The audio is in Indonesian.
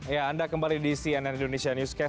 ya anda kembali di cnn indonesia newscast